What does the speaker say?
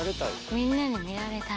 みんなに見られたい？